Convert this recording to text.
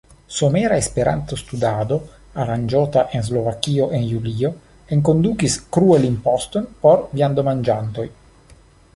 Somera Esperanto-Studado, aranĝota en Slovakio en julio, enkondukis "kruel-imposton" por viandomanĝantoj.